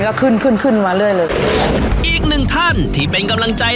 ก็ขึ้นขึ้นขึ้นมาเรื่อยเลยอีกหนึ่งท่านที่เป็นกำลังใจ